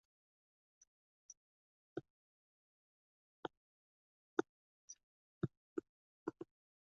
Agar yoqtirmaslik, nafrat degan narsalarning elektrga aylanishi mumkin bo‘lganda